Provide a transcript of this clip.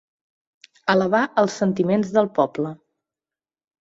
Elevar els sentiments del poble.